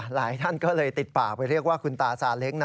หลายท่านก็เลยติดปากไปเรียกว่าคุณตาซาเล้งนะ